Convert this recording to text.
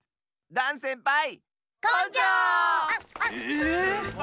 ダンせんぱい！